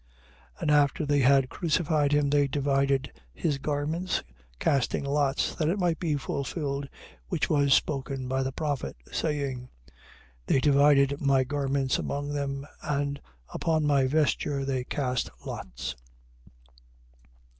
27:35. And after they had crucified him, they divided his garments, casting lots; that it might be fulfilled which was spoken by the prophet, saying: They divided my garments among them; and upon my vesture they cast lots.